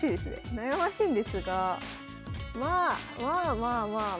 悩ましいんですがまあまあまあまあまあ。